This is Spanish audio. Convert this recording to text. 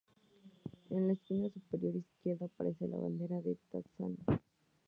En la esquina superior izquierda aparece la bandera de Tanzania.